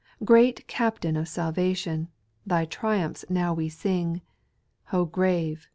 Great Captain of salvation. Thy triumphs now we sing ; O grave